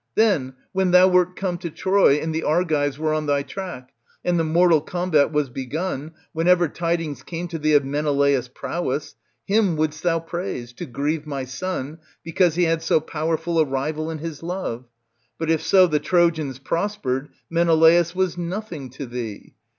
Then when thou wert come to Troy, and the Argives were on thy track, and the mortal combat was begun, whenever tidings came to thee of Menelaus' prowess, him wouldst thou praise, to grieve my son, because he had so powerful a rival in his love ; but if so the Trojans prospered, Menelaus was nothing to thee.